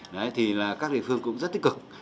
đấy thì là các địa phương cũng rất tích cực